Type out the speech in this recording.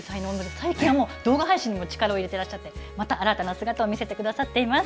最近はもう動画配信にも力を入れていらっしゃって、また新たな姿を見せてくださっています。